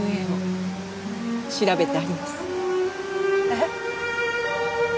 えっ？